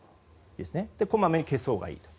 こまめに消すほうがいいと。